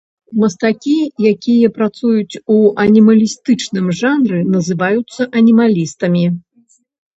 Мастакі, якія працуюць у анімалістычным жанры, называюцца анімалістамі.